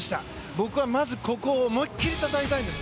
僕はまずここを思いっ切りたたえたいんです。